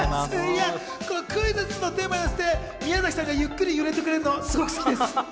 クイズッスのテーマで、宮崎さんがゆっくり入れてくれるのすごく好きです。